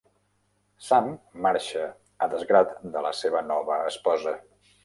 Sam marxa, a desgrat de la seva nova esposa.